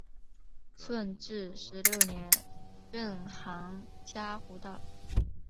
顺治十六年任杭嘉湖道。